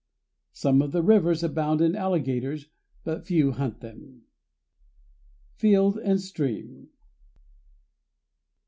Some of the rivers abound in alligators, but few hunt them. _Field and Stream.